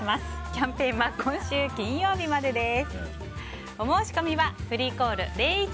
キャンペーンは今週金曜日までです。